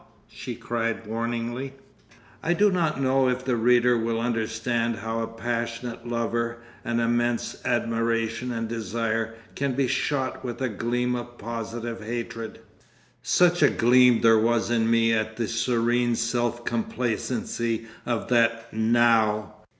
she cried warningly. I do not know if the reader will understand how a passionate lover, an immense admiration and desire, can be shot with a gleam of positive hatred. Such a gleam there was in me at the serene self complacency of that "_Now!